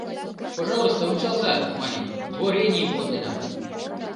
«Пожалуйста, ончалза, — маньым, — творенийым конденам».